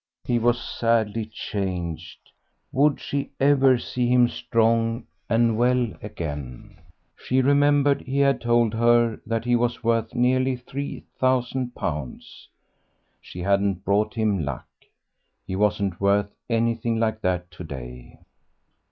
He was sadly changed. Would she ever see him strong and well again? She remembered he had told her that he was worth nearly £3000. She hadn't brought him luck. He wasn't worth anything like that to day.